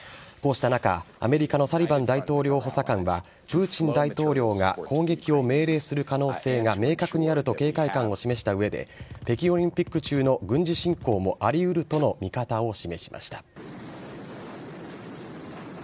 こうした中、アメリカのサリバン大統領補佐官は、プーチン大統領が攻撃を命令する可能性が明確にあると警戒感を示したうえで、北京オリンピック中の軍事侵攻もありうるとの見方を示しました。